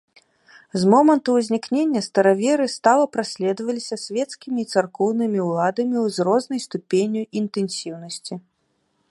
З моманту ўзнікнення стараверы стала праследаваліся свецкімі і царкоўнымі ўладамі з рознай ступенню інтэнсіўнасці.